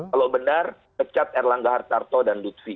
kalau benar pecat erlangga hartarto dan lutfi